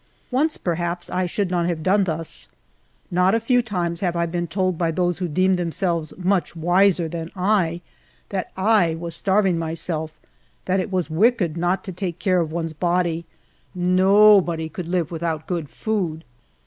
Once, perhaps, I should not have done thus. Not a few times have I been told by those who deemed themselves much wiser than I that I was starving myself; that it was wicked not to take care of one's body ; nobody could live without good food.